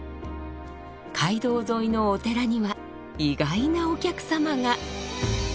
街道沿いのお寺には意外なお客様が。